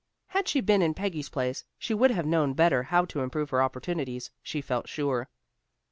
Had she been in Peggy's place, she would have known better how to improve her opportunities, she felt sure.